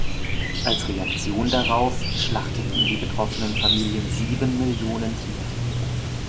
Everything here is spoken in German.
Als Reaktion darauf schlachteten die betroffenen Familien sieben Millionen Tiere.